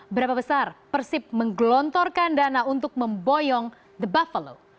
berapa besar persib menggelontorkan dana untuk memboyong the buvel